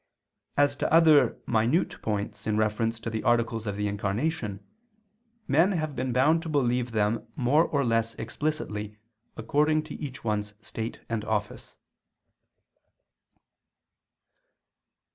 As to other minute points in reference to the articles of the Incarnation, men have been bound to believe them more or less explicitly according to each one's state and office.